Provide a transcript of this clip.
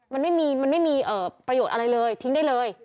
มันไม่มีมันไม่มีประโยชน์อะไรเลยทิ้งได้เลย